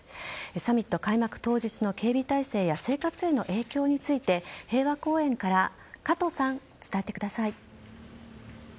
サミット開幕当日の警備態勢や生活への影響について平和公園から、加藤さん伝えてください。